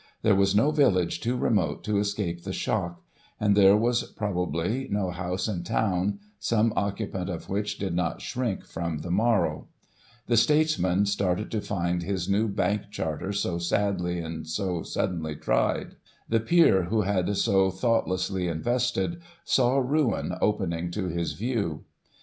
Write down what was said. There was no village too remote to escape the shock, and there was, probably, no house in town some occu pant of which did not shrink from the morrow. The States mcin started to find his new Bank Charter so sadly and Digiti ized by Google 286 GOSSIP. [1846 so suddenly tried ; the peer, who had so thoughtlessly invested, saw ruin opening to his view.